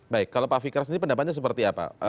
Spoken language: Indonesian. baik kalau pak fikar sendiri pendapatnya seperti apa